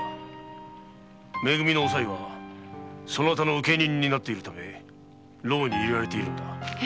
「め組」のおさいはそなたの請人になっているため牢に入れられた。